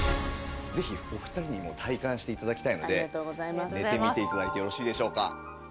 ぜひお二人にも体感して頂きたいので寝てみて頂いてよろしいでしょうか。